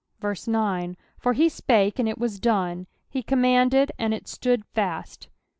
9 For he spake, and it was done ; he commanded, and it stood fast.